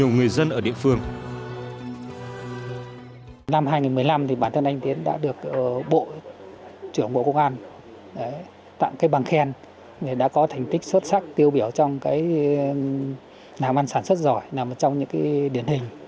năm hai nghìn một mươi năm bản thân anh tiến đã được bộ chủng bộ công an tặng cái bằng khen